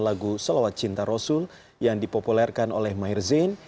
lagu selawat cinta rasul yang dipopulerkan oleh mahir zain